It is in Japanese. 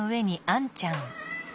あんちゃん。